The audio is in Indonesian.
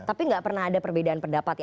tapi nggak pernah ada perbedaan pendapatan